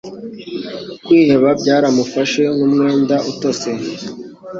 Kwiheba byaramufashe nkumwenda utose